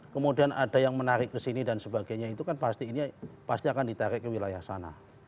kemudian ada yang menarik kesini dan sebagainya itu kan pasti ini pasti akan ditarik ke wilayah sana